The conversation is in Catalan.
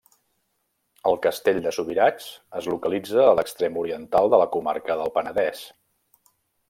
El castell de Subirats es localitza a l'extrem oriental de la comarca del Penedès.